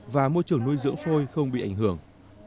và môi trường nuôi dưỡng phôi không bị ảnh hưởng